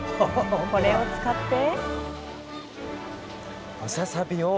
これを使って？